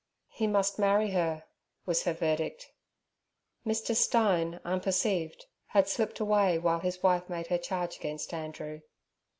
'He must marry her' was her verdict. Mr. Stein, unperceived, had slipped away while his wife made her charge against Andrew.